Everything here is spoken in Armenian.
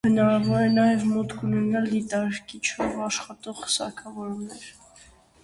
Հնարավոր է նաև մուտք ունենալ դիտարկիչով աշխատող սարքավորումներ։